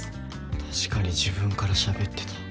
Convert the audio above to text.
確かに自分からしゃべってた。